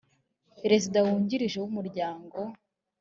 perezida wungirije w umuryango